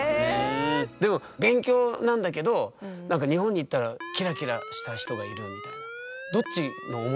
でも勉強なんだけどなんか日本に行ったらキラキラした人がいるみたいな。